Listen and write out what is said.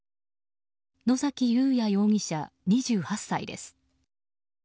野崎祐也容疑者、２８歳です。